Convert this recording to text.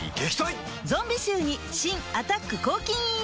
ゾンビ臭に新「アタック抗菌ＥＸ」